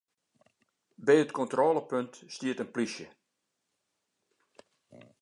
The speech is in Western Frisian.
By it kontrôlepunt stiet in plysje.